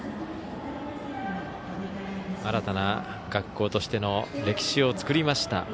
新たな学校としての歴史を作りました。